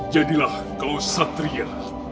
jadilah kau satria